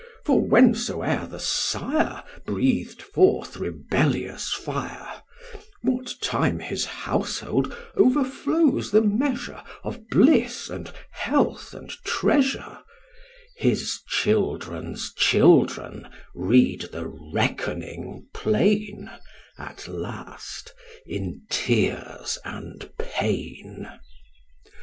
for whensoe'er the sire Breathed forth rebellious fire What time his household overflows the measure Of bliss and health and treasure His children's children read the reckoning plain, At last, in tears and pain.